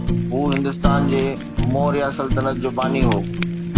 هو هندستان جي موريا سلطنت جو باني هو